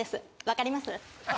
分かります？